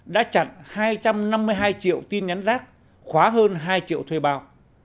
đã chặn hai trăm năm mươi hai triệu tin nhắn rác khóa hơn hai triệu thuê bao